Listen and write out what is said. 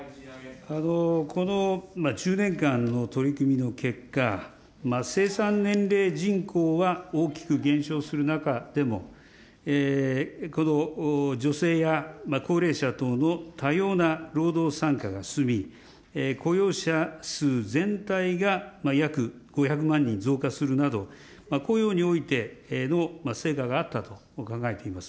この１０年間の取り組みの結果、生産年齢人口は大きく減少する中でも、この女性や高齢者等の多様な労働参加が進み、雇用者数全体が約５００万人増加するなど、雇用においての成果があったと考えています。